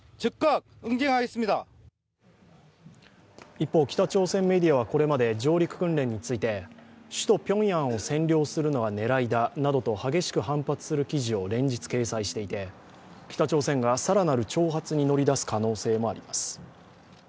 一方、北朝鮮メディアはこれまで上陸訓練について首都ピョンヤンを占領するのが狙いだなどと激しく反発する記事を連日掲載していて北朝鮮が更なる挑発に乗り出す可能性もあります。